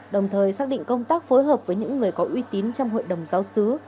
đồng thời xác định công tác phối hợp với những người có uy tín trong hội đồng giáo sứ